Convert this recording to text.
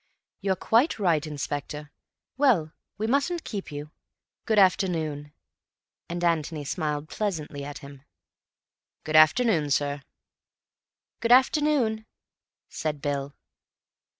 "You're quite right, Inspector. Well, we mustn't keep you. Good afternoon," and Antony smiled pleasantly at him. "Good afternoon, sir." "Good afternoon," said Bill.